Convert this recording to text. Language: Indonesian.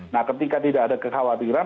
nah ketika tidak ada kekhawatiran